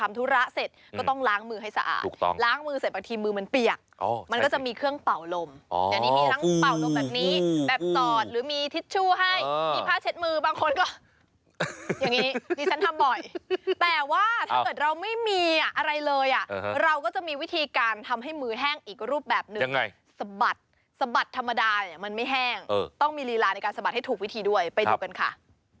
เมื่อตอนนี้คุณคุณสามารถทำให้มือแห้งอีกรูปแบบนึงสะบัดสะบัดธรรมดามันไม่แห้งต้องมีลีลาในการสะบัดให้ถูกวิธีด้วยไปดูกันค่ะ